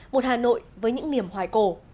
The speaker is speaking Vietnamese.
một hà nội với những niềm hoài cổ